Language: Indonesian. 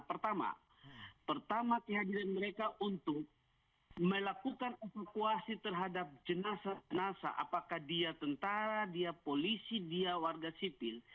pertama pertama kehadiran mereka untuk melakukan evakuasi terhadap jenazah jenazah apakah dia tentara dia polisi dia warga sipil